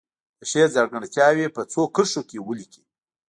د شعر ځانګړتیاوې په څو کرښو کې ولیکي.